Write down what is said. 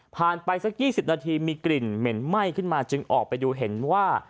ไปสัก๒๐นาทีมีกลิ่นเหม็นไหม้ขึ้นมาจึงออกไปดูเห็นว่า